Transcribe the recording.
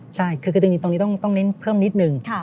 ใช่คือตรงนี้ต้องเน้นเพิ่มนิดนึง